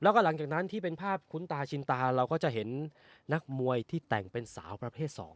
แล้วก็หลังจากนั้นที่เป็นภาพคุ้นตาชินตาเราก็จะเห็นนักมวยที่แต่งเป็นสาวประเภท๒